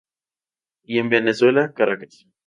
Y en Venezuela, Caracas.